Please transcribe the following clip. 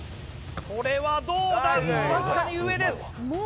これはどうだかすかに上です